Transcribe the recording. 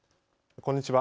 こんにちは。